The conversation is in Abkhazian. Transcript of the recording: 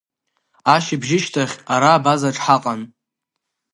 Ашьыбжьышьҭахь ара абазаҿ ҳаҟан.